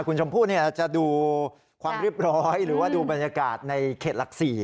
คุณชมพู่จะดูความเรียบร้อยหรือว่าดูบรรยากาศในเขตหลัก๔